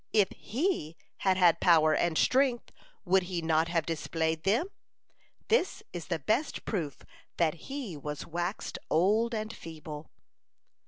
If He had had power and strength, would he not have displayed them? This is the best proof that He was waxed old and feeble."